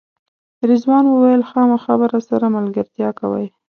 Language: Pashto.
رضوان وویل خامخا به راسره ملګرتیا کوئ.